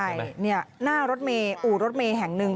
ใช่หน้ารถเมย์อู่รถเมย์แห่งหนึ่ง